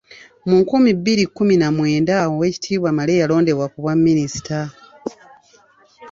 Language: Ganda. Mu nkumi bbiri mu kkumi na mwenda Oweekitiibwa Male yalondebwa ku bwa Minisita.